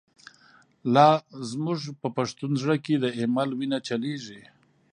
لاز موږ په پښتون زړه کی، ”دایمل” وینه چلیږی